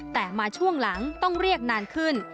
แต่มาช่วงหลังต้องเรียกนานขึ้น